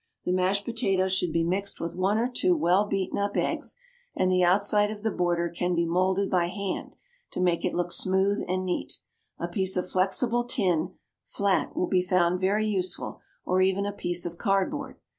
The mashed potato should be mixed with one or two well beaten up eggs, and the outside of the border can be moulded by hand, to make it look smooth and neat; a piece of flexible tin, flat, will be found very useful, or even a piece of cardboard.